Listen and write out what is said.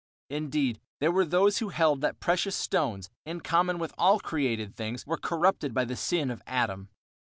Indeed, there were those who held that precious stones, in common with all created things, were corrupted by the sin of Adam.